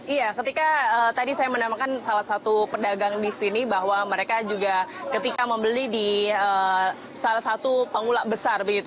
iya ketika tadi saya menamakan salah satu pedagang di sini bahwa mereka juga ketika membeli di salah satu pengulak besar